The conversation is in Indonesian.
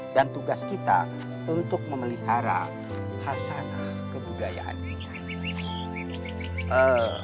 dan tugas kita untuk memelihara khasana kebudayaan kita